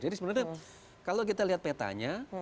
jadi sebenarnya kalau kita lihat petanya